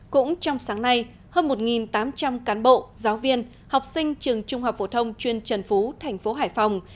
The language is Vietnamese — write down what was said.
cũng trong sáng nay hơn một tám trăm linh cán bộ giáo viên học sinh trường trung học phổ thông chuyên trần phú thành phố hải phòng